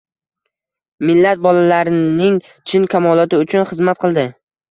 Millat bolalarining chin kamoloti uchun xizmat qildi.